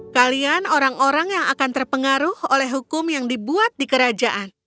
kalian orang orang yang akan terpengaruh oleh hukum yang dibuat di kerajaan